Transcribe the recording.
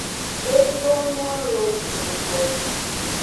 E donoalon sugbo.